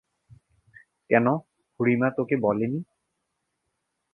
কেন, খুড়িমা তোকে বলেনি?